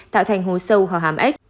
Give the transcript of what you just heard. tạo thành hối sâu hòa hám ếch